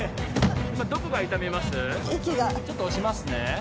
息がちょっと押しますね